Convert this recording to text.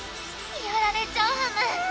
やられちゃうはむ。